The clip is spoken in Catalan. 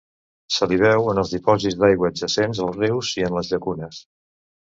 Se li veu en els dipòsits d'aigua adjacents als rius i en les llacunes.